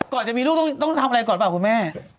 ก่อนจะมีลูกต้องทำอะไรก่อนเปล่าคุณแม่